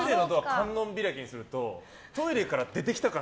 観音開きにするとトイレから出てきた感